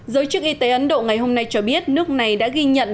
giới chức y tế ấn độ ngày hôm nay cho biết nước này đã ghi nhận